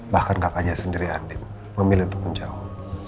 bahkan kakaknya sendiri adik memilih untuk menjauh